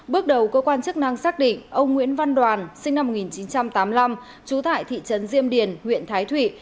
bước đầu cơ quan chức năng xác định ông nguyễn văn đoàn sinh năm một nghìn chín trăm tám mươi năm trú tại thị trấn diêm điền huyện thái thụy